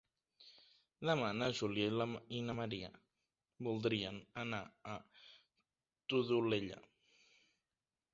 Demà na Júlia i na Maria voldrien anar a la Todolella.